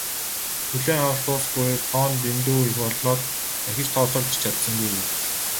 "Хүлээн авалт дуусах үеэр тоо нь дэндүү их болоод дахиж тооцоолж ч чадсангүй" гэв.